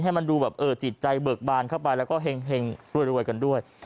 ให้มันดูแบบจิตใจเบิกบานเข้าไปแล้วก็เห็งรวยกันด้วย